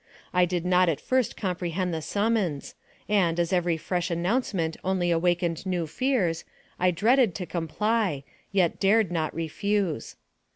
I did not at first comprehend the summons, and, as every fresh announcement only awak ened new fears, I dreaded to comply, yet dared not refuse.